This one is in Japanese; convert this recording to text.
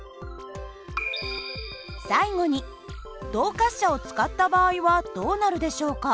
最後に動滑車を使った場合はどうなるでしょうか。